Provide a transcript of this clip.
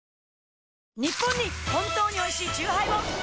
ニッポンに本当においしいチューハイを！